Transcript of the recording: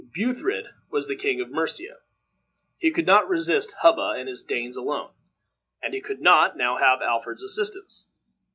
Buthred was the king of Mercia. He could not resist Hubba and his Danes alone, and he could not now have Alfred's assistance.